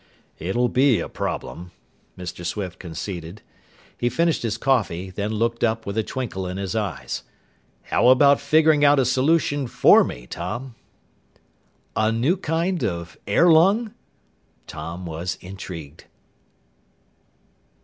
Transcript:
"It'll be a problem," Mr. Swift conceded. He finished his coffee, then looked up with a twinkle in his eyes. "How about figuring out a solution for me, Tom?" "A new kind of air lung?" Tom was intrigued!